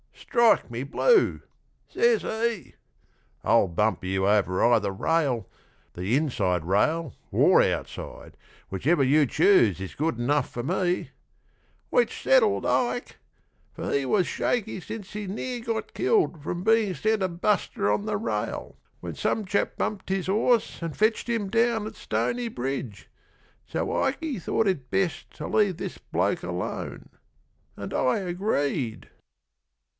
Strike me blue!' Says he, 'I'll bump you over either rail, The inside rail or outside which you choose Is good enough for me' which settled Ike; For he was shaky since he near got killed From being sent a buster on the rail, When some chap bumped his horse and fetched him down At Stony Bridge, so Ikey thought it best To leave this bloke alone, and I agreed.